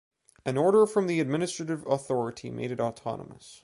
An Order from the administrative authority made it autonomous.